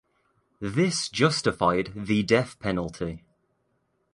This justified the death penalty.